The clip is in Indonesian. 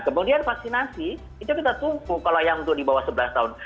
kemudian vaksinasi itu kita tunggu kalau yang untuk di bawah sebelas tahun